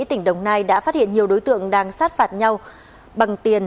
tỉnh đồng nai đã phát hiện nhiều đối tượng đang sát phạt nhau bằng tiền